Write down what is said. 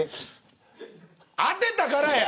当てたからや。